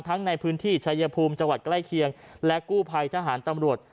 ในพื้นที่ชายภูมิจังหวัดใกล้เคียงและกู้ภัยทหารตำรวจ